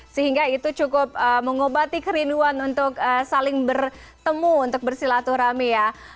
sehingga itu cukup mengobati kerinduan untuk saling bertemu untuk bersilaturahmi ya